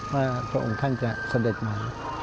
พระองค์ท่านจะเสด็จมา